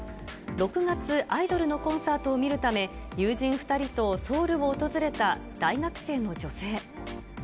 ６月、アイドルのコンサートを見るため、友人２人とソウルを訪れた大学生の女性。